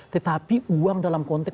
tetapi uang dalam konteks